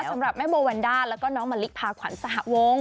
สำหรับแม่โบวันด้าแล้วก็น้องมะลิพาขวัญสหวง